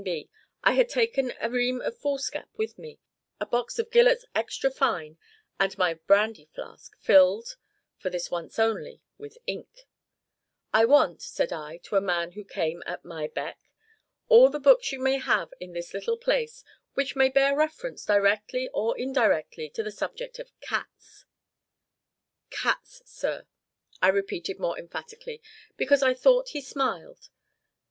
B. I had taken a ream of foolscap with me, a box of Gillott's extra fine, and my brandy flask filled (for this once only) with ink "I want," said I, to a man who came at my beck, "all the books you may have in this little place, which may bear reference directly or indirectly to the subject of cats. CATS, sir," I repeated more emphatically, because I thought he smiled.